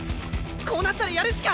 こうなったらやるしか。